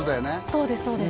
そうです